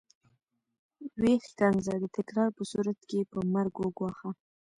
ويې ښکنځه د تکرار په صورت کې يې په مرګ وګواښه.